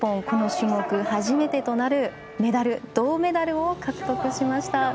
この種目初めてとなるメダル銅メダルを獲得しました。